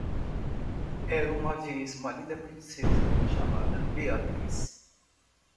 Era uma vez uma linda princesa, chamada Beatriz.